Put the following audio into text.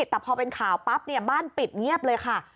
แต่พอเป็นข่าวปั๊บเนี่ยบ้านปิดเงียบเลยค่ะ